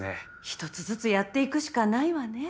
一つずつやっていくしかないわね。